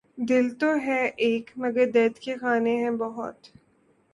دل تو ہے ایک مگر درد کے خانے ہیں بہت